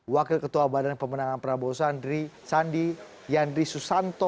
wakil ketua badan pemenangan prabowo sandi yandri susanto